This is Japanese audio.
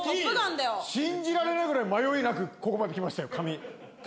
信じられないぐらい迷いなくここまで来ましたよ髪。